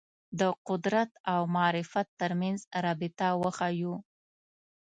د قدرت او معرفت تر منځ رابطه وښييو